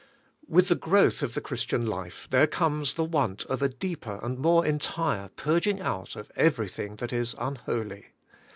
With the growth of the Christian life there comes the want of a deeper and more entire purging out of everything that is unholy.